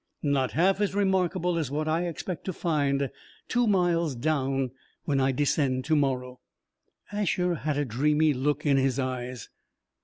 "Not half as remarkable as what I expect to find two miles down when I descend to morrow." Asher had a dreamy look in his eyes.